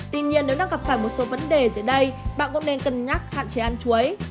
tuy nhiên nếu nó gặp phải một số vấn đề giữa đây bạn cũng nên cân nhắc hạn chế ăn chuối